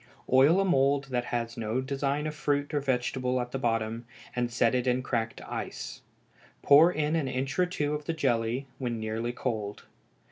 Oil a mould that has no design of fruit or vegetable at the bottom, and set it in cracked ice; pour in an inch or two of the jelly when nearly cold.